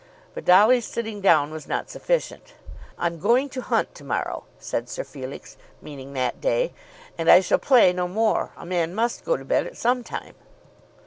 But Dolly's sitting down was not sufficient. "I'm going to hunt to morrow," said Sir Felix, meaning that day, "and I shall play no more. A man must go to bed at some time."